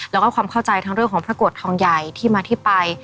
แล้วก็ความเข้าใจทั้งเรื่องของพระโกรธทองใหญ่ที่มาที่ไป